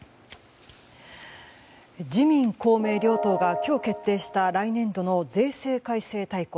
自民・公明両党が今日決定した来年度の税制改正大綱。